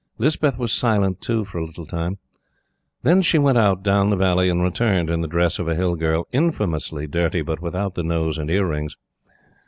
Lispeth was silent, too for a little time; then she went out down the valley, and returned in the dress of a Hill girl infamously dirty, but without the nose and ear rings.